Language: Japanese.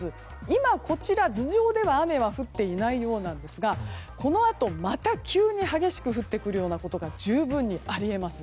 今、こちらでは雨は降っていないようなんですがこのあと、また急に激しく降ってくるようなことが十分にあり得ます。